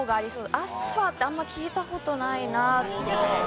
「アスファ」ってあんま聞いた事ないなっていう。